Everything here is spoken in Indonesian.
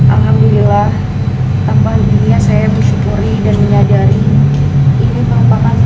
alhamdulillah tanpa dunia saya bersyukuri dan menyadari ini merupakan salah satu bentuk peringatan dari allah swt